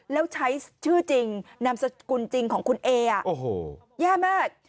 แล้วใช้ชื่อจริงนามสกุลจริงของคุณเอแย่มาก